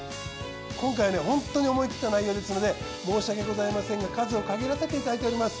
今回ねホントに思い切った内容ですので申し訳ございませんが数を限らせていただいております。